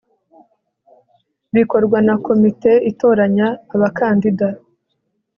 bikorwa na Komite itoranya abakandida